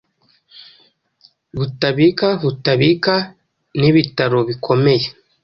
Butabika butabika nibitaro bikomeye